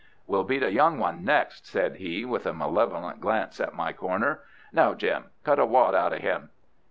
"We'll beat a young one next," said he, with a malevolent glance at my corner. "Now, Jim, cut a wad out of him!"